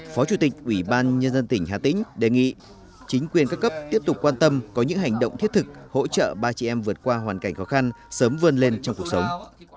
phó chủ tịch ủy ban nhân dân tỉnh hà tĩnh đề nghị chính quyền các cấp tiếp tục quan tâm có những hành động thiết thực hỗ trợ ba chị em vượt qua hoàn cảnh khó khăn sớm vươn lên trong cuộc sống